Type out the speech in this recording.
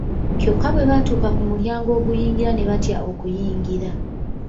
Kyokka bwe baatuuka ku mulyango oguyingira ne batya okuyingira.